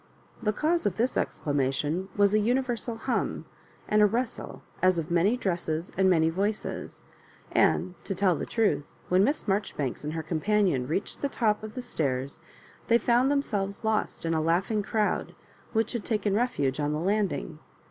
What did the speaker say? The cause of this exclamation was a uni versal hum and rustle as of many dresses and many voices; and, to tell the trath, when Miss Marjoribanks and her companion reached the top of the stairs, they found themselves lost in a laughing crowd, which had taken refuge on the landing.